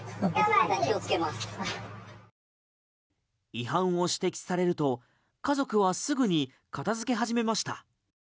違反を指摘されると家族はすぐに片付け始めました。